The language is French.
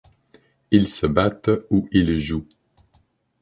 Ils se battent ou ils jouent.